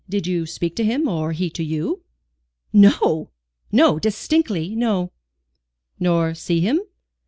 Did you speak to him, or he to you?" "No, no distinctly no." "Nor see him?"